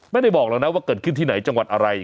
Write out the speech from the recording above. ไม่ได้บอกหรอกนะว่าเกิดขึ้นที่ไหนจังหวัดอะไร